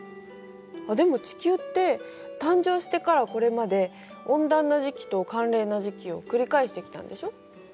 でも地球って誕生してからこれまで温暖な時期と寒冷な時期を繰り返してきたんでしょ。